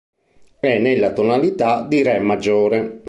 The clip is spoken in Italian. È nella tonalità di Re maggiore.